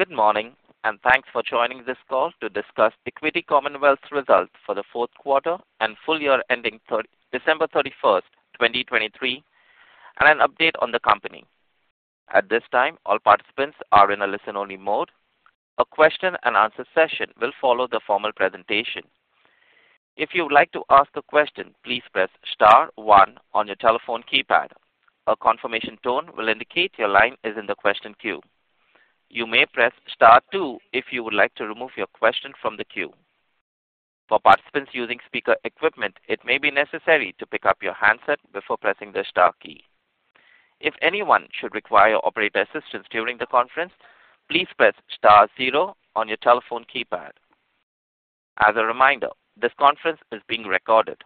Good morning and thanks for joining this call to discuss Equity Commonwealth's results for the fourth quarter and full year ending December 31st, 2023, and an update on the company. At this time all participants are in a listen-only mode. A question-and-answer session will follow the formal presentation. If you would like to ask a question please press star one on your telephone keypad. A confirmation tone will indicate your line is in the question queue. You may press star two if you would like to remove your question from the queue. For participants using speaker equipment it may be necessary to pick up your handset before pressing the star key. If anyone should require operator assistance during the conference please press star zero on your telephone keypad. As a reminder this conference is being recorded.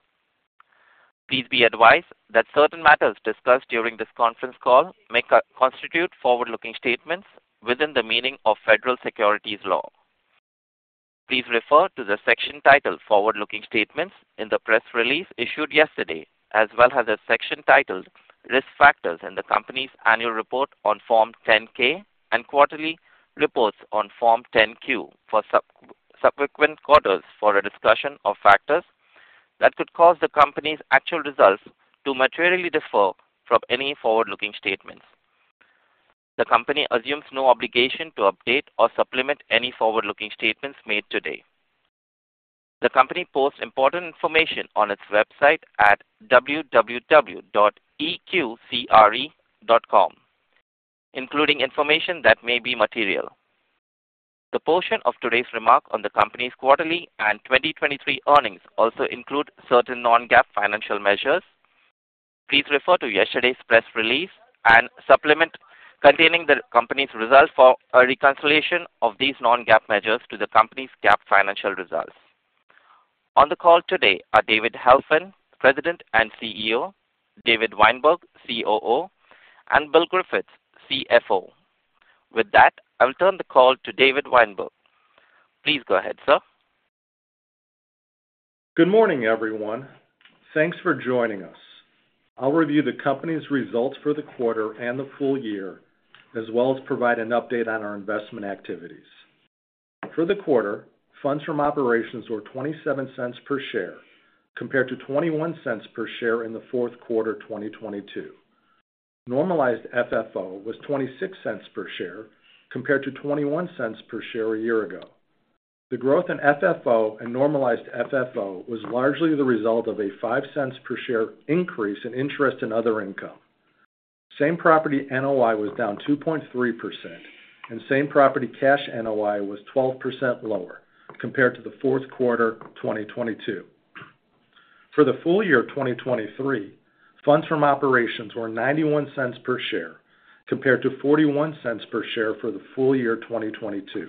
Please be advised that certain matters discussed during this conference call may constitute forward-looking statements within the meaning of federal securities law. Please refer to the section titled Forward-Looking Statements in the press release issued yesterday as well as the section titled Risk Factors in the Company's Annual Report on Form 10-K and Quarterly Reports on Form 10-Q for subsequent quarters for a discussion of factors that could cause the company's actual results to materially differ from any forward-looking statements. The company assumes no obligation to update or supplement any forward-looking statements made today. The company posts important information on its website at www.eqcre.com including information that may be material. The portion of today's remark on the company's quarterly and 2023 earnings also includes certain non-GAAP financial measures. Please refer to yesterday's press release and supplement containing the company's result for a reconciliation of these non-GAAP measures to the company's GAAP financial results. On the call today are David Helfand President and CEO, David Weinberg COO, and Bill Griffiths CFO. With that, I will turn the call to David Weinberg. Please go ahead, sir. Good morning everyone. Thanks for joining us. I'll review the company's results for the quarter and the full year as well as provide an update on our investment activities. For the quarter funds from operations were $0.27 per share compared to $0.21 per share in the fourth quarter 2022. Normalized FFO was $0.26 per share compared to $0.21 per share a year ago. The growth in FFO and normalized FFO was largely the result of a $0.05 per share increase in interest and other income. Same property NOI was down 2.3% and same property cash NOI was 12% lower compared to the fourth quarter 2022. For the full year 2023 funds from operations were $0.91 per share compared to $0.41 per share for the full year 2022.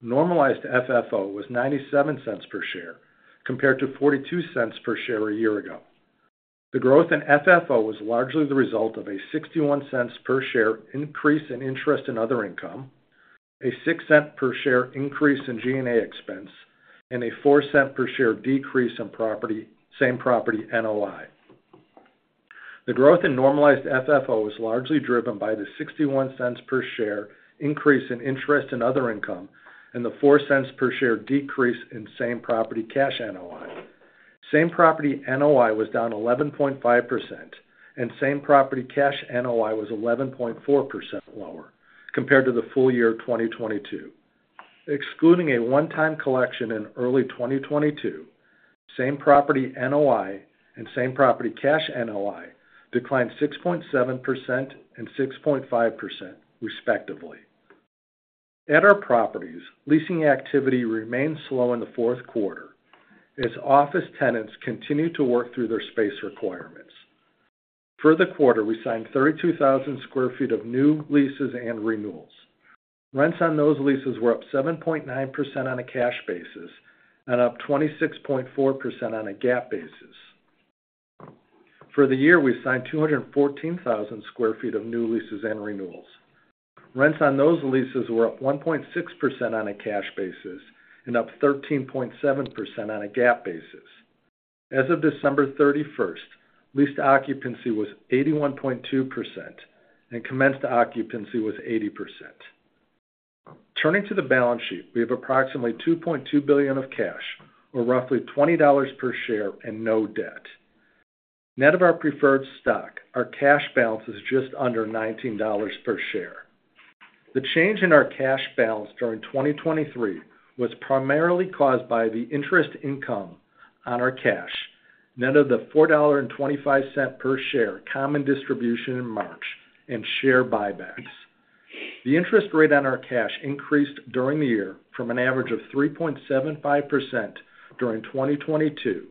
Normalized FFO was $0.97 per share compared to $0.42 per share a year ago. The growth in FFO was largely the result of a $0.61 per share increase in interest and other income, a $0.06 per share increase in G&A expense, and a $0.04 per share decrease in same property NOI. The growth in normalized FFO was largely driven by the $0.61 per share increase in interest and other income and the $0.04 per share decrease in same property cash NOI. Same property NOI was down 11.5% and same property cash NOI was 11.4% lower compared to the full year 2022. Excluding a one-time collection in early 2022, same property NOI and same property cash NOI declined 6.7% and 6.5% respectively. At our properties leasing activity remained slow in the fourth quarter as office tenants continued to work through their space requirements. For the quarter we signed 32,000 sq ft of new leases and renewals. Rents on those leases were up 7.9% on a cash basis and up 26.4% on a GAAP basis. For the year we signed 214,000 sq ft of new leases and renewals. Rents on those leases were up 1.6% on a cash basis and up 13.7% on a GAAP basis. As of December 31st, leased occupancy was 81.2% and commenced occupancy was 80%. Turning to the balance sheet we have approximately $2.2 billion of cash or roughly $20 per share and no debt. Net of our preferred stock our cash balance is just under $19 per share. The change in our cash balance during 2023 was primarily caused by the interest income on our cash net of the $4.25 per share common distribution in March and share buybacks. The interest rate on our cash increased during the year from an average of 3.75% during 2022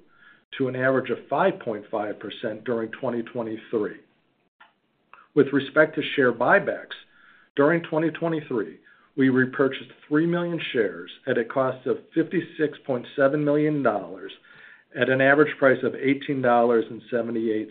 to an average of 5.5% during 2023. With respect to share buybacks during 2023 we repurchased three million shares at a cost of $56.7 million at an average price of $18.78.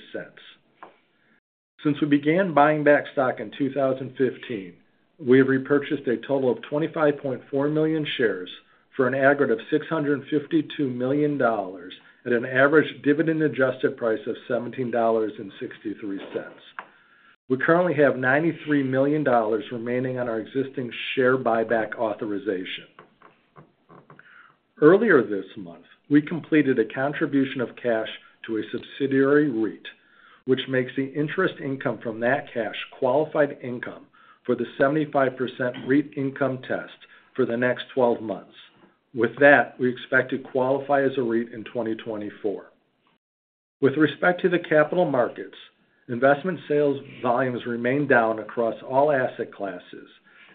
Since we began buying back stock in 2015 we have repurchased a total of 25.4 million shares for an aggregate of $652 million at an average dividend-adjusted price of $17.63. We currently have $93 million remaining on our existing share buyback authorization. Earlier this month we completed a contribution of cash to a subsidiary REIT which makes the interest income from that cash qualified income for the 75% REIT income test for the next 12 months. With that we expect to qualify as a REIT in 2024. With respect to the capital markets, investment sales volumes remain down across all asset classes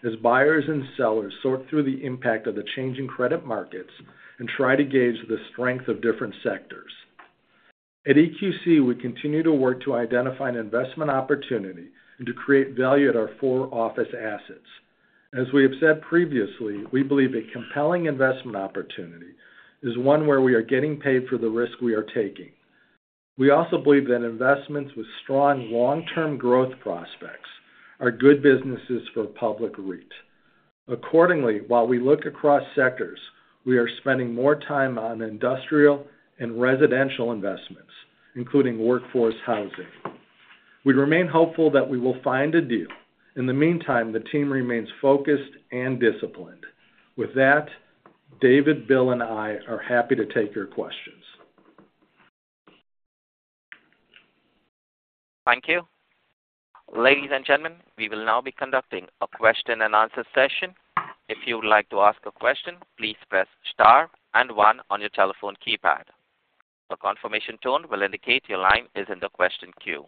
as buyers and sellers sort through the impact of the changing credit markets and try to gauge the strength of different sectors. At EQC we continue to work to identify an investment opportunity and to create value at our four office assets. As we have said previously, we believe a compelling investment opportunity is one where we are getting paid for the risk we are taking. We also believe that investments with strong long-term growth prospects are good businesses for public REIT. Accordingly while we look across sectors we are spending more time on industrial and residential investments including workforce housing. We remain hopeful that we will find a deal. In the meantime the team remains focused and disciplined. With that, David, Bill and I are happy to take your questions. Thank you. Ladies and gentlemen, we will now be conducting a question-and-answer session. If you would like to ask a question, please press star and one on your telephone keypad. A confirmation tone will indicate your line is in the question queue.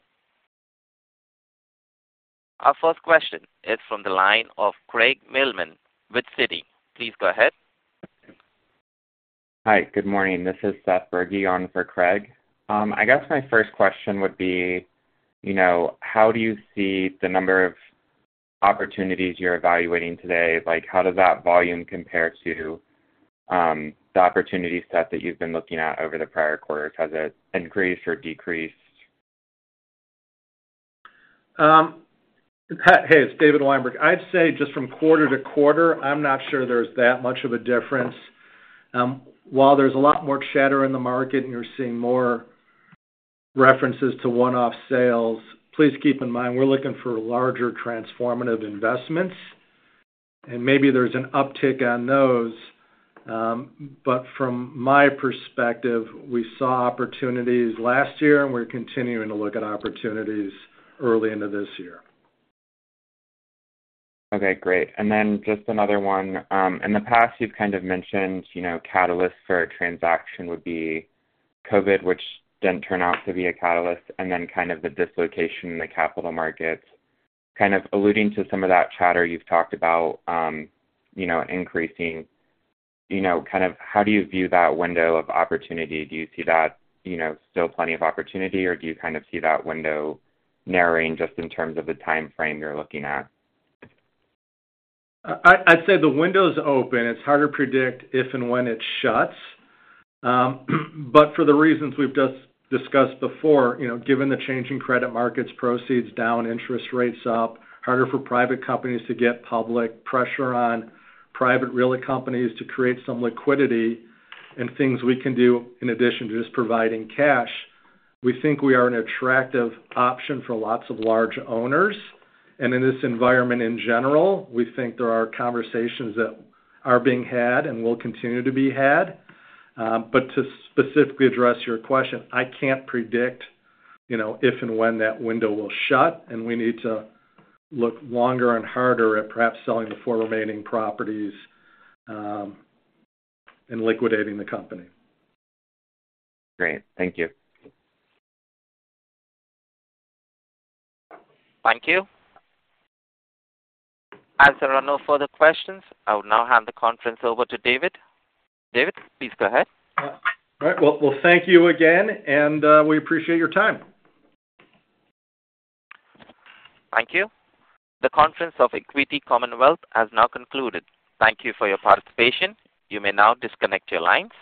Our first question is from the line of Craig Mailman with Citi. Please go ahead. Hi, good morning. This is Seth Bergey on for Craig. I guess my first question would be how do you see the number of opportunities you're evaluating today? How does that volume compare to the opportunity set that you've been looking at over the prior quarters? Has it increased or decreased? Hey, it's David Weinberg. I'd say just from quarter to quarter I'm not sure there's that much of a difference. While there's a lot more chatter in the market and you're seeing more references to one-off sales, please keep in mind we're looking for larger transformative investments. Maybe there's an uptick on those, but from my perspective we saw opportunities last year and we're continuing to look at opportunities early into this year. Okay, great. And then just another one. In the past you've kind of mentioned catalysts for a transaction would be COVID, which didn't turn out to be a catalyst, and then kind of the dislocation in the capital markets. Kind of alluding to some of that chatter you've talked about increasing, kind of, how do you view that window of opportunity? Do you see that still plenty of opportunity or do you kind of see that window narrowing just in terms of the time frame you're looking at? I'd say the window's open. It's hard to predict if and when it shuts. But for the reasons we've discussed before, given the changing credit markets, proceeds down, interest rates up, harder for private companies to get, public pressure on private real estate companies to create some liquidity, and things we can do in addition to just providing cash, we think we are an attractive option for lots of large owners. And in this environment, in general, we think there are conversations that are being had and will continue to be had. But to specifically address your question, I can't predict if and when that window will shut, and we need to look longer and harder at perhaps selling the four remaining properties and liquidating the company. Great. Thank you. Thank you. As there are no further questions, I will now hand the conference over to David. David, please go ahead. All right. Well thank you again and we appreciate your time. Thank you. The conference of Equity Commonwealth has now concluded. Thank you for your participation. You may now disconnect your lines.